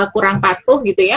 kurang patuh gitu ya